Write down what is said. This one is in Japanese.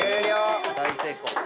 大成功。